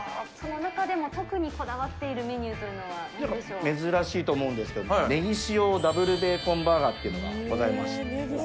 その中でも特にこだわっているメニューというのはなんでしょ珍しいと思うんですけども、ネギ塩ダブルベーコンバーガーというのがございまして。